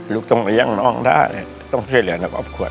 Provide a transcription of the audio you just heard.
ลูกต้องระยั่งน้องได้ต้องเชื่อเหลือนกรอบขวด